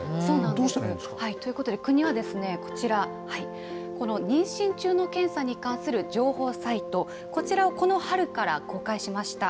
どうしたらいいんですか？ということで、国はですね、こちら、この妊娠中の検査に関する情報サイト、こちらをこの春から公開しました。